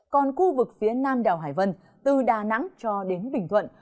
còn khu vực phía nam đảo hải vân từ đà nẵng cho đến bình thuận